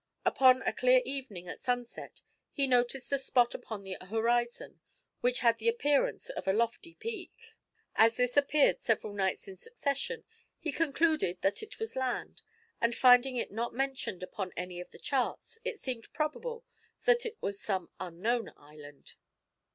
Upon a clear evening, at sunset, he noticed a spot upon the horizon, which had the appearance of a lofty peak. As this appeared several nights in succession, he concluded that it was land, and finding it not mentioned upon any of the charts, it seemed probable that it was some unknown island.